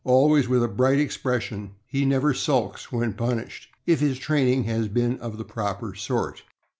Always with a bright expression, he never sulks when punished, if his training has been of the proper sort.